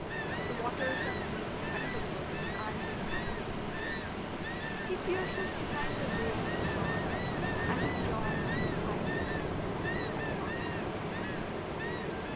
The waters are his, and the woods and the inaccessible cliffs. He pierces behind the veil of the storm, and his joy is height and depth and vast spaces.